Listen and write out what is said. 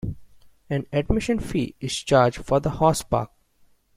An admission fee is charged for the Horse Park.